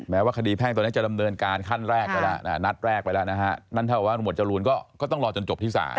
ว่าคดีแพ่งตอนนี้จะดำเนินการขั้นแรกไปแล้วนัดแรกไปแล้วนะฮะนั่นเท่ากับว่าหวดจรูนก็ต้องรอจนจบที่ศาล